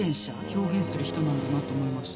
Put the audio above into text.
表現する人なんだなと思いました。